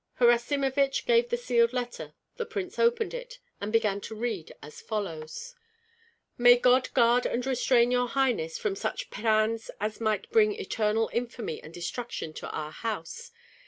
Harasimovich gave the sealed letter; the prince opened it, and began to read as follows: May God guard and restrain your highness from such plans as might bring eternal infamy and destruction to our house!